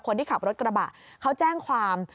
คนที่ขับรถกระบะเขาแจ้งความ